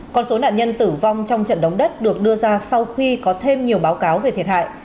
còn số nạn nhân tử vong trong trận động đất được đưa ra sau khi có thêm nhiều báo cáo về thiệt hại